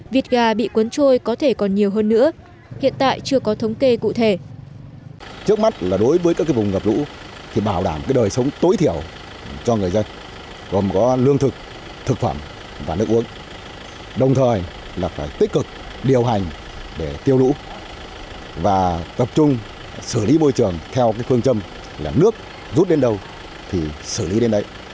vịt gà bị cuốn trôi có thể còn nhiều hơn nữa hiện tại chưa có thống kê cụ thể